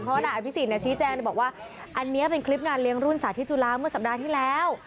เพราะอภิษฐ์ชี้แจ้งบอกว่าอันนี้เป็นคลิปงานเลี้ยงรุ่นศาสตร์ที่จุฬาวเมื่อสัปดาห์ที่แล้ว